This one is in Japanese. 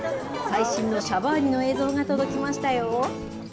最新のシャバーニの映像が届きましたよ。